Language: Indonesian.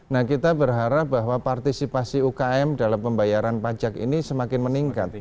nah kita berharap bahwa partisipasi ukm dalam pembayaran pajak ini semakin meningkat